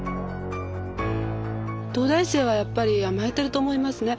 東大生はやっぱり甘えてると思いますね。